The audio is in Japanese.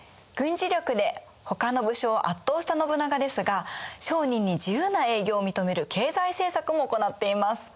軍事力でほかの武将を圧倒した信長ですが商人に自由な営業を認める経済政策も行っています。